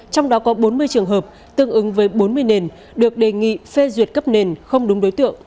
trong đó có bốn mươi trường hợp tương ứng với bốn mươi nền được đề nghị phê duyệt cấp nền không đúng đối tượng